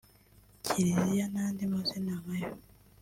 Kiriziya n’andi mazina nkayo